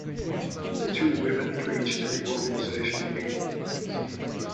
Two women preached at the organizational meeting.